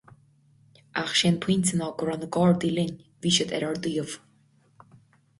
Ach sé an pointe ná go raibh na Gardaí linn, bhí siad ar ár dtaobh.